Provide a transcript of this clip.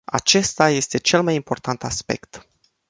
Acesta este cel mai important aspect.